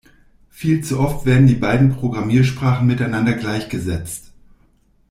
Viel zu oft werden die beiden Programmiersprachen miteinander gleichgesetzt.